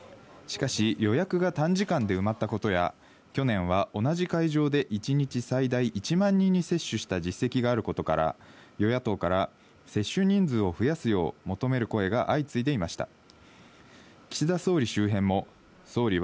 しかし予約が短時間で埋まったことや去年は同じ会場で一日最大１万人に接種した実績があることから、与野党から接種人数を増やすよう求める声が相次いでいました。